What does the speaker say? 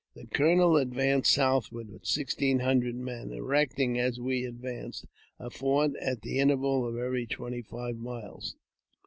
The colonel advanced southward with sixteen hundred men, erecting, as we advanced, a fort at the interval of every twenty fivi miles.